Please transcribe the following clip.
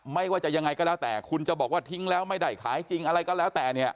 ไม่ว่าจะยังไงก็แล้วแต่คุณจะบอกว่าทิ้งแล้วไม่ได้ขายจริงอะไรก็แล้วแต่เนี่ย